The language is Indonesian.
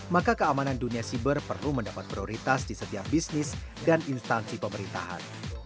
maka keamanan dunia siber perlu mendapat prioritas di setiap bisnis dan instansi pemerintahan